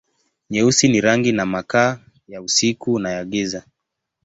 Nyeusi ni rangi na makaa, ya usiku na ya giza.